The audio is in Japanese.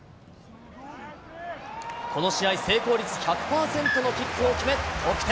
この試合、成功率１００％のキックを決め、得点。